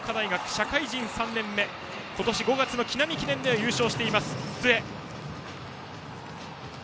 社会人３年目今年５月の木南記念で優勝しています。